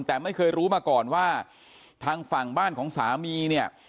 แต่ไม่เคยรู้มาก่อนว่าทางฝั่งบ้านของสามีเนี่ย